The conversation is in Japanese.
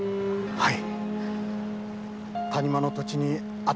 はい。